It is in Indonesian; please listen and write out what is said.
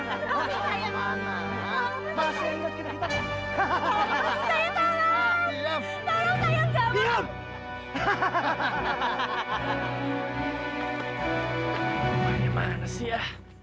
rumahnya mana sih ya